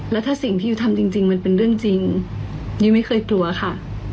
แล้วถ้าสิ่งที่ยูทำจริงมันเป็นเรื่องจริงยุ้ยไม่เคยกลัวค่ะ